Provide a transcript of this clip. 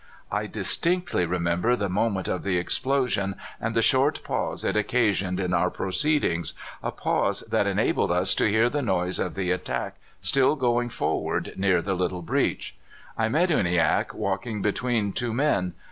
"I distinctly remember the moment of the explosion and the short pause it occasioned in our proceedings a pause that enabled us to hear the noise of the attack still going forward near the little breach. I met Uniacke walking between two men.